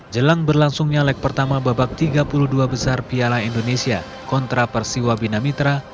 jelang berlangsungnya leg pertama babak tiga puluh dua besar piala indonesia kontra persiwa binamitra